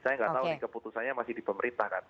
saya nggak tahu ini keputusannya masih di pemerintah kan